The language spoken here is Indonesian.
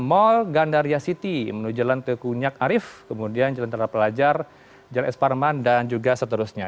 jalan pol gandaria city menuju jalan tekunyak arif kemudian jalan tentara pelajar jalan esparman dan juga seterusnya